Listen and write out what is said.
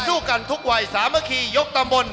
สู้กันทุกวัยสามัคคียกตำบล